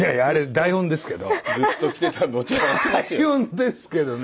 台本ですけどね。